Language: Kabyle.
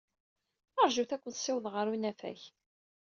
Ṛjut ad ken-ssiwḍeɣ ɣer unafag.